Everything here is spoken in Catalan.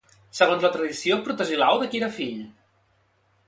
Segons la tradició Protesilau de qui era fill?